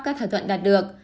các thỏa thuận đạt được